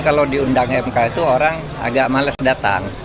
kalau diundang mk itu orang agak males datang